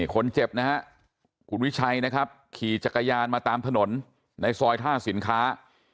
คนเจ็บนะฮะคุณวิชัยนะครับขี่จักรยานมาตามถนนในซอยท่าสินค้า